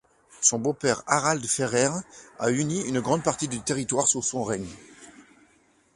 Son beau-père Harald Fairhair a uni une grande partie du territoire sous son règne.